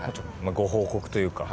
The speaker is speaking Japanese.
ご報告というか。